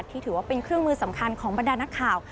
ถือว่าเป็นเครื่องมือสำคัญของบรรดานักข่าว